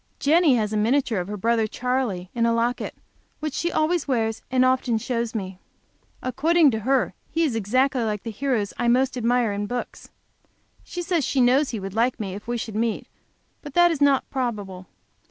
Jenny has a miniature of her brother "Charley" in a locket, which she always wears, and often shows me. According to her, he is exactly like the heroes I most admire in books. She says she knows he would like me if we should meet. But that is not probable.